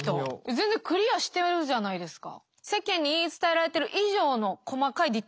全然クリアしてるじゃないですか。